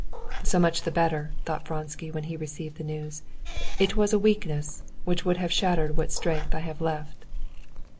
"So much the better," thought Vronsky, when he received the news. "It was a weakness, which would have shattered what strength I have left."